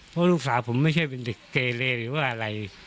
เพราะลูกสาวผมไม่ใช่เป็นเด็กเกเลหรือว่าอะไร